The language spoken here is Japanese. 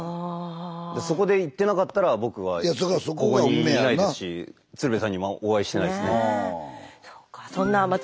そこで行ってなかったら僕はここにいないですし鶴瓶さんにもお会いしてないですね。